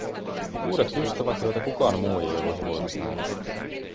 Uudet ystävät, joita kukaan muu ei olisi voinut nähdä.